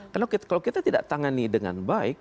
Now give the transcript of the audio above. karena kalau kita tidak tangani dengan baik